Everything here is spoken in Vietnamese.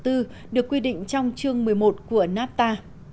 tư được quy định trong chương một mươi một của nato